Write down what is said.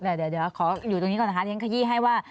เดี๋ยวขออยู่ตรงนี้ก่อนนะคะเรียนขยี้ให้ว่า